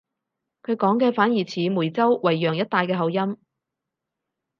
佢講嘅反而似梅州惠陽一帶嘅口音